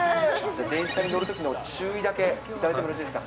じゃあ電車に乗るときの注意だけ、頂いてもよろしいですか？